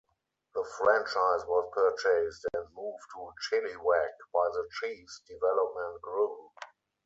The franchise was purchased and moved to Chilliwack by the Chiefs Development group.